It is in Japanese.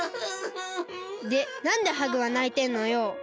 でなんでハグはないてんのよ！？